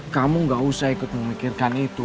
kamu gak usah ikut memikirkan itu